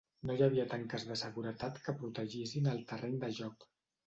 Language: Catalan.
No hi havia tanques de seguretat que protegissin el terreny de joc.